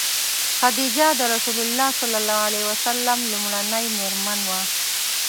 خدیجه د رسول الله ﷺ لومړنۍ مېرمن وه.